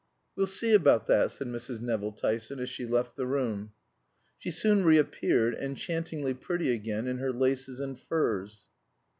"We'll see about that," said Mrs. Nevill Tyson as she left the room. She soon reappeared, enchantingly pretty again in her laces and furs.